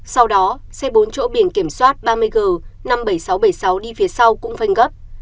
sau đó xe bốn chỗ biển kiểm soát ba mươi g năm mươi bảy nghìn sáu trăm bảy mươi sáu đi phía sau cũng phanh gấp